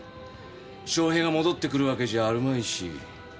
翔平が戻ってくるわけじゃあるまいし。